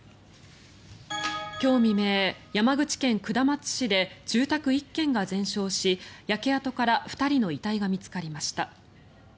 今日未明、山口県下松市で住宅１軒が全焼し焼け跡から２人の遺体が見つかりました。